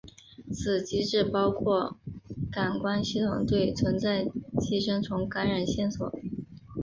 此机制包括感官系统对存在寄生虫感染线索。